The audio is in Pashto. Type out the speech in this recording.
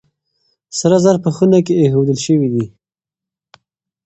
سره زر په خونه کې ايښودل شوي دي.